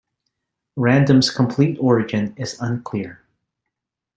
Random's complete origin is unclear.